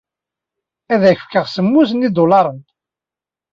Ad ak-fkeɣ semmus n yidulaṛen.